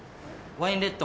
ワインレッド。